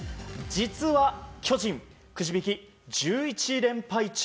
実は、巨人くじ引き１１連敗中。